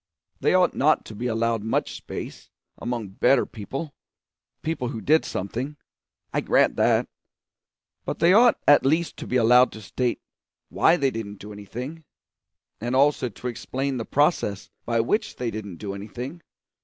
They ought not to be allowed much space among better people people who did something I grant that; but they ought at least to be allowed to state why they didn't do anything, and also to explain the process by which they didn't do anything.